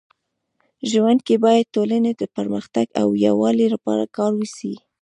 ژوند کي باید ټولني د پرمختګ او يووالي لپاره کار وسي.